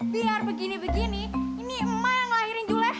biar begini begini ini emak yang ngelahirin juleha